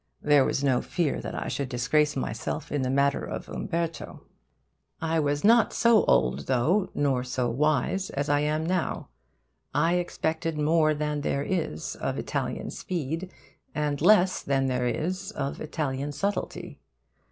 There was no fear that I should disgrace myself in the matter of Umberto. I was not so old, though, nor so wise, as I am now. I expected more than there is of Italian speed, and less than there is of Italian subtlety.